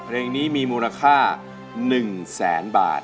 เพลงนี้มีมูลค่า๑แสนบาท